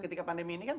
ketika pandemi ini kan